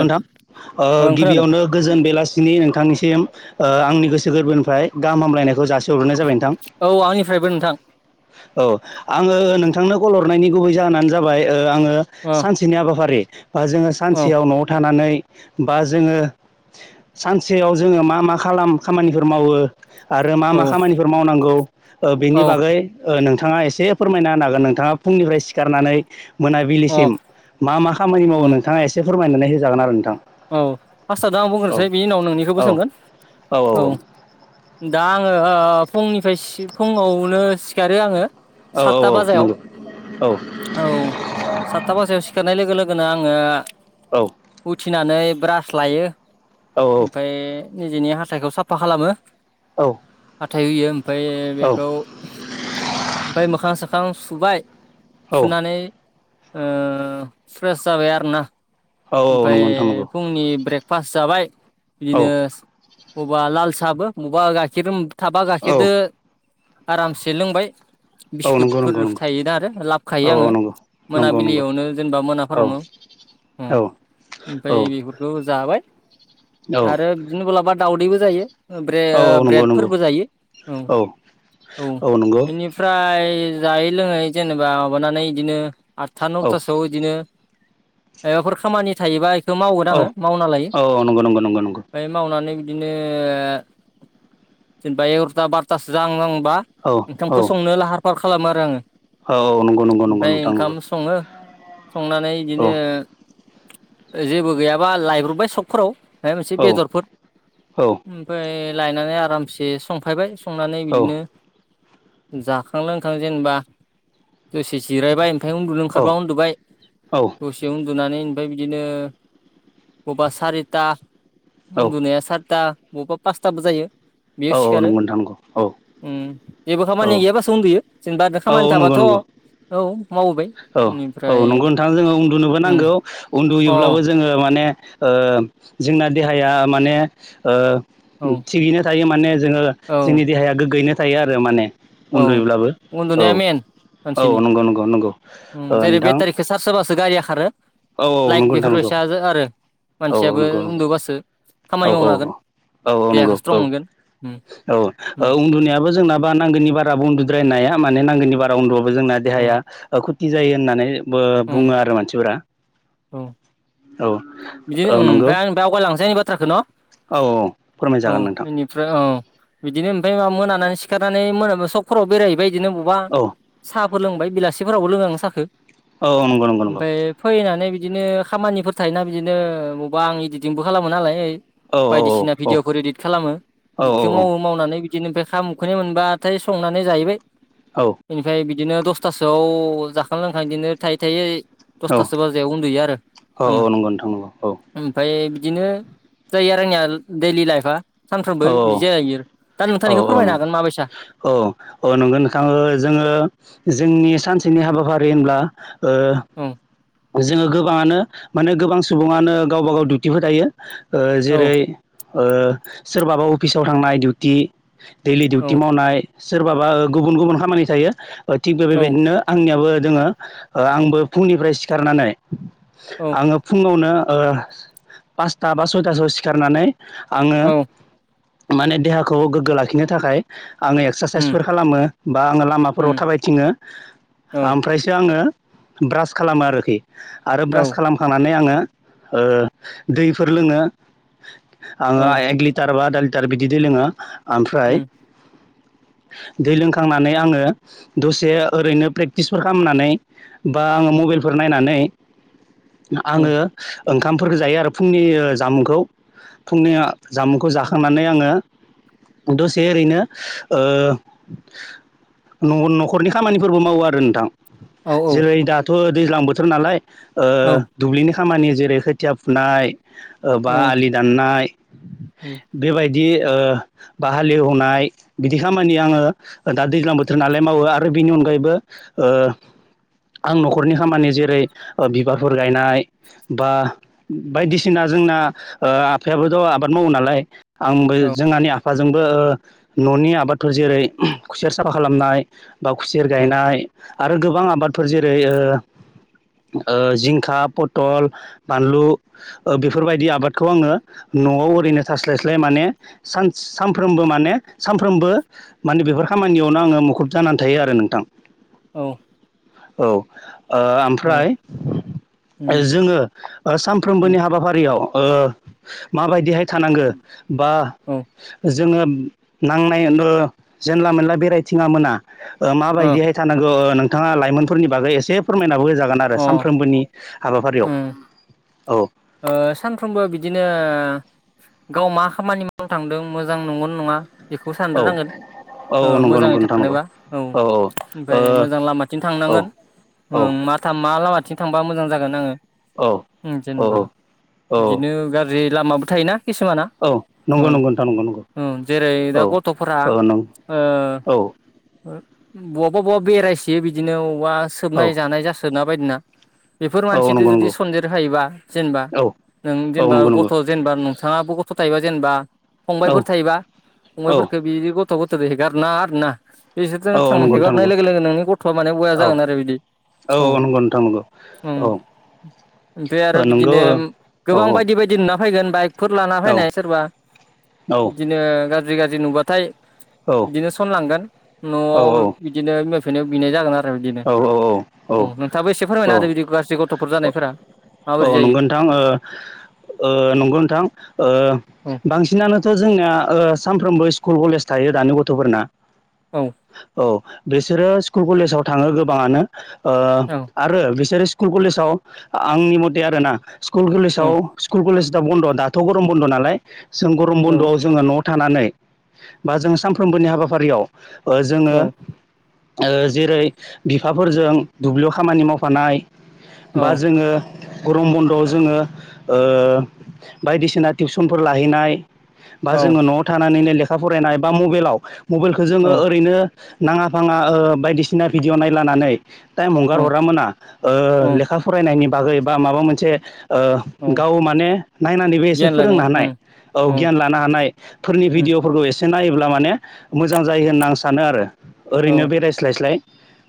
नोंथां ओ ओं खोनादों गिबियावनो गोजोन बेलासिनि नोंथांनिसिम ओ आंनि गोसो गोरबोनिफ्राय गाहाम हामलायनायखौ जासिहरनाय जाबाय नोंथां औ आंनिफ्रायबो नोंथां औ आङो नोंथांनो कल हरनायनि गुबै जाहोन जाबाय ओ आङो औ सानसेनि हाबाफारि ओ जों औ सानसेयाव न'आव थानानै बा जोङो सानसेयाव जोङो मा मा खालाम खामानिफोर मावो आरो मा औ मा खामानिफोर मावनांगौ ओ बेनि औ बागै ओ नोंथां नोंथाङा एसे फोरमायना होन हागोन नोंथाङा फुंनिफ्राय सिखारनानै अ मोनाबिलिसिम मा मा खामानि अ मावो नोंथाङा एसे फोरमायनानै होजागोन आरो नोंथां। औ आतसा दा आं औ बुंग्रोसै बिनि उनाव नोंनिखौबो सोंगोन औ। दा आङो ओ फुंनिफ्राय सि फुङावनो सिखारो आङो। औ औ सातथा औ बाजयाव नंगौ औ औ सातथा बाजायाव सिखारनाय लोगो लोगो गोनो आङो औ। फिनानै ब्रास लायो औ ओमफाय निजेनि हाथायखौ साफा खालामो। औ। हाथाय होयो ओमफाय बेखौ ओमफाय मोखां सोखां सुबाय। औ सुनानै ओ फ्रेस जाबाय आरोना। औ औ ओमफाय नंगौ नोंथां नंगौ फुंनि ब्रेक पास जाबाय औ बिदिनो बबेबा लाल साहाबो बबेबा गाइखेर थाबा औ गाखेरदो आरामसे लोंबाय। औ नंगौ बिस्कुटफोर नंगौ नंगौ थायोना आरो औ लाबोखायो आङो। नंगौ नंगौ नंगौ मोनाबिलियावनो जेनेबा औ औ मोनाफोरावनो। ओम औ औ ओमफ्राय बेफोरखौ जाबाय आरो बिदिनो सोरलाबा दावउदैबो जायो। औ ब्रेड नंगौ नंगौ ब्रेडफोरबो जायो ओं औ औ नंगौ औ इनिफ्राय जायै लोङै जेनेबा माबानानै इदिनो आठथा नौथासोआव इदिनो मायबाफोर खामानि थायोबा इखो मावगोन आङो मावना लायो औ औ नंगौ नंगौ नंगौ नंगौ ओमफ्राय मावनानै बिदिनो जेनेबा एगार'था बार'थासो जाहां जाहां बा औ ओंखामखौ औ संनो लाहार फाहार खालामो आरो आङो। औ औ नंगौ नंगौ नंगौ ओमफ्राय नोंथां ओंखाम नंगौ सङो। संनानै औ इदिनो जेबो गैयाबा लायब्रबबाय सखफोराव। ओमफ्राय मोनसे औ बेदरफोर औ ओमफ्राय लायनानै आरामसे संफैबाय। संनानै औ बिदिनो जाखां लोंखां जेनेबा दसे जिरायबाय। ओमफ्राय उन्दुनो ओंखारबा उन्दुबबाय दसेयाव उन्दु नानै ओमफ्राय बिदिनो बबा सारिथा औ उन्दुनाया सारिथा। बबेबा पासथाबो जायो। बेयाव औ सिखारो नंगौ नोंथां नंगौ औ उम जेबो औ खामानिया गैयाबासो उन्दैयो। जेनेबा खामानि औ नंगौ थाबाथ' नंगौ औ माव औ औ नंगौ नोंथां जोङो उन्दुनोबो उम नांगौ अ उन्दुयोब्लाबो जोङो माने ओ जोंना देहाया माने ओ औ थिगैनो थायो माने जोङो औ जोंनि देहाया गोग्गोयैनो थायो आरो माने औ उन्दुयोब्लाबो औ उन्दुनाया मेन औ मानसिनि नंगौ नंगौ नंगौ ओ जेरै नोंथां बेटारिखौ चार्ज होबासो गारिया खारो औ औ लाइक नंगौ नोंथां नंगौ बेफोरबायस आरो औ औ मानसियाबो नंगौ नंगौ उन्दुबासो औ खामानि औ मावनो हागोन औ देहाखौ नंगौ स्ट्रं मोनगोन उम औ औ उम उन्दुनायाबो जोंना बा नांगोननि बा बाराबो उन्दुद्रायनो हाया माने नांगौनि बारा उन्दुबाबो जोंना उम देहाया खुथि जायो होननानै बो उम बुङो आरो मानसिफोरा औ औ बिदिनो औ ओम नंगौ ओमफ्राय आं दावगाय लांसै थाखो न औ औ औ फोरमायजागोन नोंथां बेनिफ्राय औ बिदिनो ओमफ्राय माबा मोनानानै सिखारनानै मोनाब सगफोराव बेरायहैबाय बिदिनो बबावबा औ सा फोर लोंबाय बेलासे फोरावबो औ नंगौ नंगौ नंगौ ओमफाय फैनानै बिदिनो खामानिफोर थायोना बिदिनो बबेबा आं इदिटिंबो खालामो नालाय औ बायदिसिना औ भिडिअफोर इदित खालामो औ इदितखौ मावो मावनानै बिदि बिदिनो ओमफ्राय खाम उखैनाय मोनबाथाय संनानै जाहैबाय बेनिफ्राय बि बिदिनो दसथासोआव जाखां लोंखां बिदिनो थायै थायै दसथासो बाजायाव उन्दुयो आरो औ आङो नंगौ नोंथां नंगौ औ ओमफ्राय बिदिनो जायो आरो आंनिया दैलि लाइफआ सानफ्रामबो औ बिदि जायो आरो दा औ नोंथांनिखौ फोरमायनो हागोन माबायदि औ औ नंगो नोंथां जोङो जोंनि सानसे नि हाबाफारि होनब्ला औ ओ जोङो गोबाङानो माने गोबां सुबुङानो गावबा गाव डिउटिबो थायो औ जेरै ओ सोरबाबा अफिसाव थांनाय डिउटि दैलि औ डिउटि मावनाय सोरबाबा गुबुन गुबुन खामानि थायो थिग बे बेबायदिनो आंनियाबो जोङो आंबो फुंनिफ्राय सिखारनानै औ आङो फुङावनो ओ पासथा बा सयथासोआव सिखारनानै आङो औ माने देहाखौ गोग्गो लाखिनो थाखाय आङो उम एक्सारसाइसफोर खालामो बा आङो लामाफोराव उम थाबायथिङो औ ओमफ्रायसो आङो ब्रास खालामो आरोखि आरो औ ब्रास खालामखांनानै आङो दैफोर लोङो आङो औ एक लि बा आदा लिटार बिदि दै लोङो ओमफ्राय उम दै लोंखांनानै आङो दसे ओरैनो प्रेक्टिसफोर खालामनानै बा आङो मबाइलफोर नायनानै औ आङो ओंखामफोरखौ जायो आरो फुंनि जामुंखौ फुंनि जामुंखौ जाखांनानै आङो दसे ओरैनो ओ न'खरनि खामानिफोरबो मावो आरो नोंथां औ जेरै दाथ' दैज्लां बोथोर नालाय औ दुब्लिनि खामानि जेरै खोथिया फुनाय बा आलि दाननाय औ बेबायदि बिदि बा हालेवनाय बिदि खामानि आङो दा दैज्लां बोथोर नालाय मावो आरो बिनि अनगायैबो आं न'खरनि खामानि जेरै बिबारफोर गायनाय बा बायदिसिना जोंना आफायाबोथ' आबाद मावो नालाय आंबो जोंहानि आफा जोंबो न'नि आबादफोर जेरै खुसेर साफा खालामनाय बा खुसेर औ गायनाय आरो गोबां आबादफोर जेरै ओ जिंखा पथल बानलु बेफोरबायदि आबादखौ आङो न' [unintelligible] ओरैनो थासलायस्लाय माने सान सानफ्रोमबो माने सानफ्रोमबो माने बेफोर खामानि यावनो आङो मुखुब जानानै थायो आरो नोंथां औ औ ओ औ ओमफ्राय उम जोङो ओ उम सानफ्रोमबोनि हाबाफारियाव ओ माबायदिहाय थानांगो बा औ जोङो नांनाय ओ जेनला मेनला बेरायथिङा मोना ओ माबायदिहाय थानांगो ओ नों थाङा लाइमोनफोरनि बागै एसे फोरमायनाबो जागोन आरो सानफ्रोमबोनि हाबाफारियाव उम औ ओ सानफ्रोमबो बिदिनो गाव मा खामानि मावनो थांदों मोजां नंगौ नङा बेखौ औ सानद्रोनांगोन ओ औ नंगौ मोजाङै नंगौ नोंथां नंगौ थानोबा औ ओमफाय मोजां लामाथिं ओ थांनांगोन औ [unintelligible] मा लामाथिं थांबा मोजां जागोन आङो औ उम औ जेनेबा औ औ बिदिनो गाज्रि लामाबो थायोना खिसुमाना औ औ नंगौ नंगौ नोंथां नंगौ नंगौ ओ जेरै दा औ गथ'फोरा औ नंगौ औ [unintelligible] बवबा बवा बेरायसयो बिदिनो अबावबा औ सोबनाय जानाय जासोना बायदिना बेफोर औ मानसिजों नंगौ जुदि नंगौ सनन्देर हायोबा जेनबा औ नों औ जेनबा नंगौ नंगौ गथ' जेनबा नोंथाङाबो गथ' थायोबा जेनबा फंबायफोर औ थायोबा औ फंबायफोरखो बिदि गथ' गथ' गथ' हेगार ना आरो ना औ बिसोरजों औ थां नंगौ नोंथां हेगारनाय नंगौ लोगो लोगो नोंनि गथ'आ माने बया औ जागोन आरो बिदि औ नंगौ नोंथां नंगौ औ ओमफाय ओ आरो नंगौ बिदिनो औ औ गोबां बायदि बायदि नाम फाइगोन बाइकफोर लाना औ फैनाय सोरबा बिदिनो गाज्रि गाज्रि नुबाथाय बिदिनो सनलांगोन औ न'आव इदिनो बिमा बिफानाव बिनाय जागोन आरो बिदिनो औ नोंथाङाबो एसे औ फोरमायना होदो बिदि गाज्रि गथ'फोर जानायफोरा माबोरै औ जायो नंगौ नोंथां ओ ओ नंगौ नोंथां ओ औ बांसिनानोथ' जोंनिया ओ सानफ्रोमबो स्कुल कलेज थायो दानि गथ'फोरना औ औ बिसोरो स्कुल कलेजाव थाङो गोबाङानो ओ औ आरो बिसोरो स्कुल कलेजाव आंनि मथे आरोना स्कुल औ कलेजाव स्कुल कलेज बन्द' दाथ' गरम बन्द' नालाय जों गरम औ बन्द'आव जोङो न' थानानै बा जों सानफ्रोमबोनि हाबाफारियाव ओ जोङो औ ओ जेरै बिफाफोरजों दुब्लियाव खामानि मावफानाय औ बा जोङो गरम बन्द'आव जोङो ओ बायदिसिना टिउसनफोर लाहैनाय बा जोङो न'आव थानानैनो लेखा फरायनाय बा मबाइलाव मबाइलखौ जोङो औ ओरैनो नाङा फाङा ओ बायदिसिना भिडिय' नायलानानै टाइम हंगार औ हरा मोना ओ औ लेखा फरायनायनि बागै बा माबा मोनसे ओ औ गाव माने नायनानैबो एसे गियान लानो फोरोंनो हानाय ओं औ गियान लानो हानायफोरनि उम भिडिय'फोरखौ एसे नायोब्ला माने मोजां जायो होनना आं सानो आरो औ ओरैनो बेरायस्लायस्लाय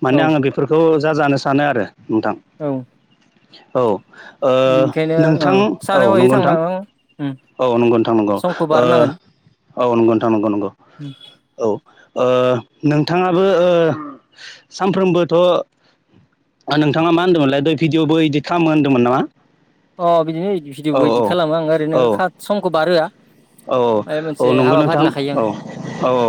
माने औ आङो बेफोरखौ जा जानो सानो आरो नोंथां औ औ ओ बिनिखायनो ओ नोंथां औ सानै हयै नंगौ नोंथां थांनांगौ उम औ नंगौ नोंथां नंगौ समखौ ओ बारनांगोन औ नंगौ नोंथां नंगौ नंगौ औ [unintelligible] ओ नोंथाङाबो ओ सामफ्रोमबोथ' ओ नोंथाङा मा होन्दोंमोनलाय द भिडिअबो इदिट खालामो होन्दोंमोन नामा? अ बिदिनो औ भिडिअबो इदित खालामो आं ओरैनो औ खा समखौ बारहोआ औ माबा औ औ मोनसे नंगौ हाबाफारि नोंथां लाखायो औ आं औ औ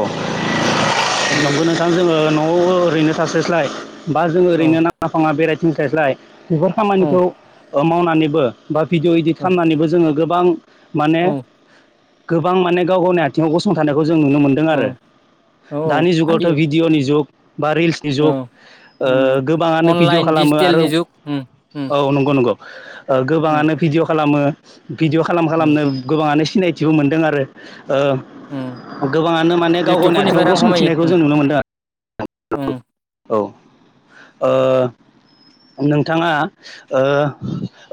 औ नंगौ नोंथां जोङो न'आव ओरैनो थास्लायस्लाय बा जों औ ओरैनो नाङा फाङा बेरायथिंनिसायस्लाय बेखौ औ खामानिखौ मावनानैबो बा भिडिय' इडदिट औ खालामनानैबो जोङो गोबां माने गोबां माने गाव गावनि आथिङाव गसंथानायखौ जों नुनो मोनदों औ आरो औ औ दानि जुगावथ' हायो भिडिय'नि जुग बा रिल्सनि औ उम जुग गोबाङानो भिडिअ' अनलाइन खालामो आरो डिजिटेलनि जुग उम उम औ नंगौ नंगौ उम गोबाङानो भिडिअ खालामो भिडिअ' खालाम उम खालामनो गोबाङानो सिनायथिबो मोनदों आरो उम ओ गोबाङानो माने गाव गावनि आथिङाव इउटुबफोरनिफ्राय रां खामायो गसंथिनायखौ उम जों नुनो मोनदों उम औ ओ नोंथाङा ओ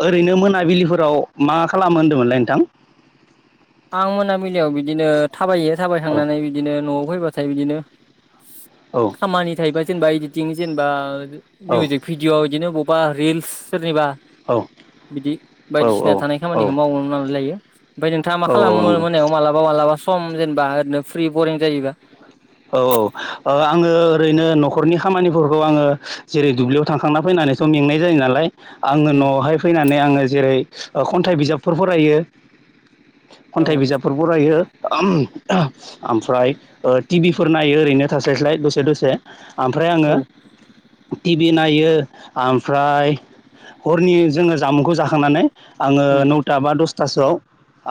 ओरैनो मोनाबिलिफोराव मा खालामो होन्दोंमोनलाय नोंथां [inaudible] आं मोनाबिलियाव बिदिनो थाबायो औ थाबायखांनानै बिदिनो न'आव फैबाथाय बिदिनो औ खामानि थायोबा जेनेबा इदिटिं जेनेबा औ मिउजिक भिडिअ' बिदिनो ब बा रिल्स सोरनिबा औ बिदि बायदिसिना औ थानाय औ खामानिखौ मावनो ना लायो नोंथाङा मा औ औ खालामो नंगौ मोनायाव मालाबा मालाबा सम जेनेबा ओरैनो फ्रि बरिं जायोबा औ औ आङो ओरैनो न'खरनि खामानिफोरखौ आङो जेरै दुब्लियाव थांखांना फैनानै सम मेंनाय जायो नालाय आङो उम न'आवहाय फैनानै आङो जेरै खन्थाइ बिजाबफोर फरायो औ खन्थाइ बिजाबफोर फरायो ओमफ्राय टिभि फोर नायो ओरैनो थास्लाय स्लाय दसे दसे ओमफ्राय आङो औ टि बि नायो ओमफ्राय हरनि जोङो जामुंखौ जाखांनानै आङो उम नौथा बा दसथासोआव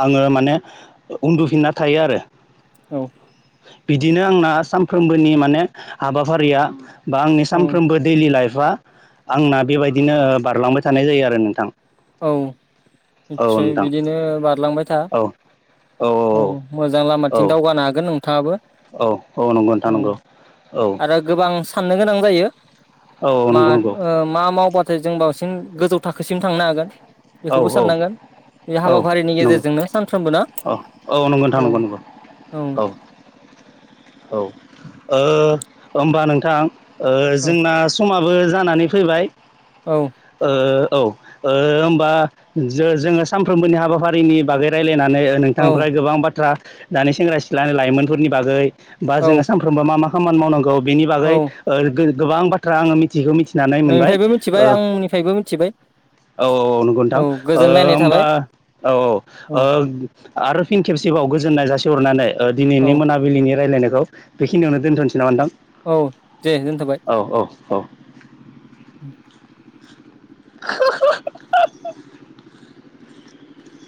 आङो माने उन्दुफिनना थायो आरो औ बिदिनो आंना सानफ्रोमबोनि माने हाबाफारिया बा आंनि औ सानफ्रोमबो दैलि लाइफआ आंना बेबायदिनो बारलांबाय थानाय जायो आरो नोंथां औ औ निसय नोंथां बिदिनो बारलांबाय था औ औ मोजां औ लामाथिं दावगानो हागोनों औ औ औ नंगौ नोंथां नंगौ औ आरो गोबां साननो गोनां जायो औ मा नंगौ नंगौ मा मावबाथाय जों बावसिन गोजौ थाखोसिम थांनो हागोन औ बेखौबो साननांगोन बे हाबाफारिनि औ नंगौ गेजेरजोंनो सानफ्रोमबो ना औ नंगौ नोंथां औ नंगौ नंगौ औ औ होमबा नोंथां जोंना समा बो जानानै फैबाय औ होमबा जोङो सानफ्रोमबोनि हाबाफारिनि बागै रायलायना नानै औ नोंथांनिफ्राय गोबां बाथ्रा दानि सेंग्रा सिख्लानि लाइमोनफोरनि बागै बा औ जोङो सानफ्रोमबो मा मा खामानि मावनांगौ बेनि बागै औ गोबां बाथ्रा आङो मिथि खौ मिथिनानै मोनबाय नोंनिफ्रायबो मिथिबाय औ आंनिफ्रायबो मिथिबाय औ औ नंगौ नोंथां औ गोजोनलायनाय होमबा थाबाय औ औ आरो फिन खेबसे गोबाव गोजोननाय जासिहरनानै औ दिनैनि मोनाबिलिनि रायल्लायनायखौ बेखिनियावनो दोनथ'नासै नामा नोंथां औ दे दोनथबाय औ औ औ [inaudible]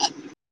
आ [inaudible]